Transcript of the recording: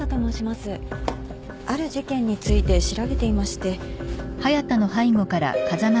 ある事件について調べていまして。